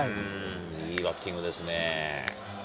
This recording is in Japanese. いいバッティングですね。